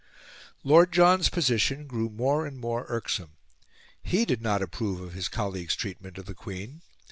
Lord John's position grew more and more irksome. He did not approve of his colleague's treatment of the Queen.